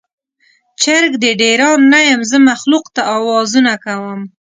چرګ د ډیران نه یم، زه مخلوق ته اوازونه کوم